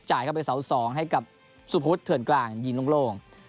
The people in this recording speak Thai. จ่ายเข้าไปเสา๒ให้กับสุภพุทธเถิดกลางยิงโล่ง